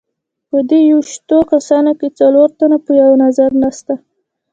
په دې یوویشتو کسانو کې څلور تنه په یوه نظر نسته.